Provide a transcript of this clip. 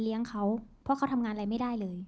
เขาเพราะเขาทำงานอะไรไม่ได้เลย